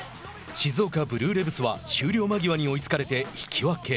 静岡ブルーレヴズは終了間際に追いつかれて引き分け。